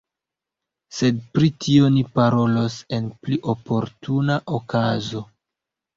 Sed pri tio ni parolos en pli oportuna okazo.